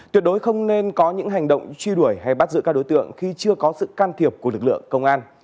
tuyệt đối không nên có những hành động truy đuổi hay bắt giữ các đối tượng khi chưa có sự can thiệp của lực lượng công an